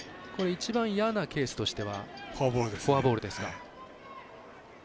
一番嫌なケースとしてはフォアボールですか。